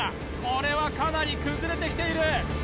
これはかなり崩れてきている